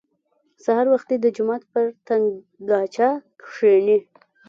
سهار وختي د جومات پر تنګاچه کښېني.